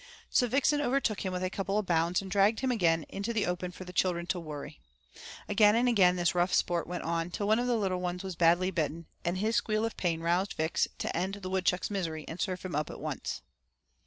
So Vixen overtook him with a couple of bounds and dragged him again into the open for the children to worry. Again and again this rough sport went on till one of the little ones was badly bitten, and his squeal of pain roused Vix to end the woodchuck's misery and serve him up at once.